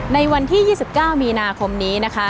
ในวันที่๒๙มีนาคมนี้นะคะ